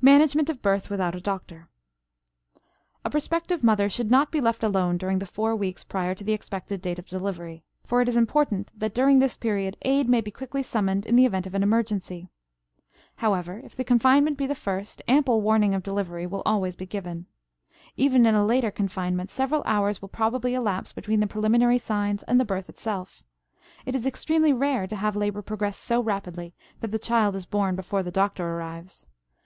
MANAGEMENT OF BIRTH WITHOUT A DOCTOR. A prospective mother should not be left alone during the four weeks prior to the expected date of delivery, for it is important that during this period aid may be quickly summoned in the event of an emergency. However, if the confinement be the first, ample warning of delivery will always be given. Even in a later confinement several hours will probably elapse between the preliminary signs and the birth itself. It is extremely rare to have labor progress so rapidly that the child is born before the doctor arrives.